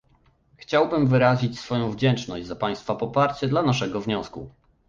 Chciałbym wyrazić swoją wdzięczność za państwa poparcie dla naszego wniosku